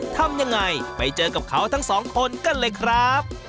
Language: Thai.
ทำยังไงไปเจอกับเขาทั้งสองคนกันเลยครับ